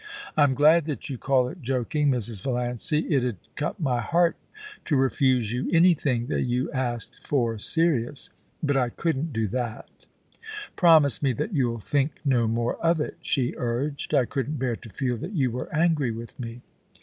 I'm glad that you call it joking, Mrs. Val iancy. It 'ud cut my heart to refuse you anything that you asked for serious : but I couldn't do that' * Promise me that you'll think no more of it,' she urged ;* I couldn't bear to feel that you were angry with me.'